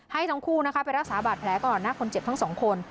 ให้ทั้งคู่นะคะไปรักษาบาดแผลก่อนนะคนเจ็บทั้งสองคน